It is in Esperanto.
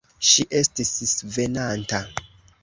Ŝi estis svenanta.